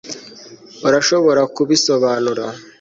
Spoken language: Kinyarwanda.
urashobora kubisobanura